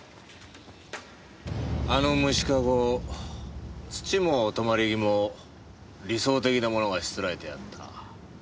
あの虫カゴ土も止まり木も理想的なものがしつらえてあった。